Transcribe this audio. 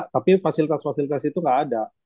tapi fasilitas fasilitas itu nggak ada